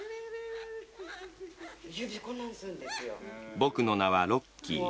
僕の名はロッキー。